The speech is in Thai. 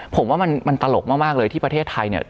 ผมว่ามันตลกมากเลยที่ประเทศไทยเนี่ย